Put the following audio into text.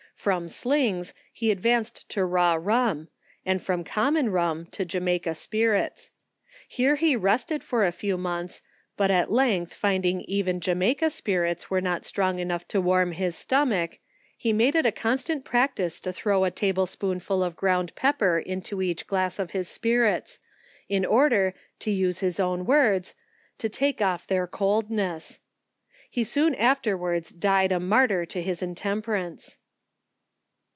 From slings, he advanced to raw rum, and from common rum, to Jamaica spirits. Here he rested for a few months, but at length finding even Jamaica spir its were not strong enough to warm his stomach, he made it a constant practice to throw a table spoonful of ground pepper into each glass of his spirits, in order, to use his own words, "to lake off their coldness." He soon after wards died a martyr to his intemperance.